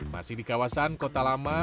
masih di kawasan kota lama